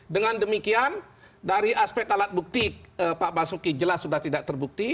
dengan demikian dari aspek alat bukti pak basuki jelas sudah tidak terbukti